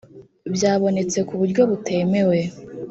byabonetse ku buryo butemewe